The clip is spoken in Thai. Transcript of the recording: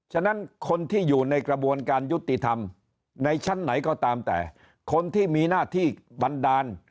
ฉะนั้นคนที่อยู่ในกระบวนการยุติธรรมในชั้นไหนก็ตามแต่คนที่มีหน้าที่บันดาล